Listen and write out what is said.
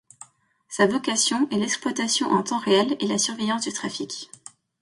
Sa vocation est l'exploitation en temps réel et la surveillance du trafic.